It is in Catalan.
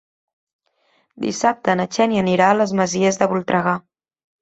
Dissabte na Xènia anirà a les Masies de Voltregà.